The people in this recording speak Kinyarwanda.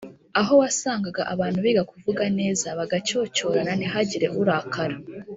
aho wasangaga abantu biga kuvuga neza, bagacyocyorana ntihagire urakara